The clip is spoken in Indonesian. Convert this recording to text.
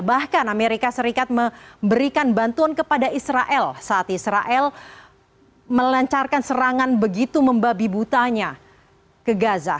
bahkan amerika serikat memberikan bantuan kepada israel saat israel melancarkan serangan begitu membabi butanya ke gaza